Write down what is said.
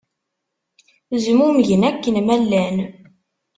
Zmumgen akken ma llan.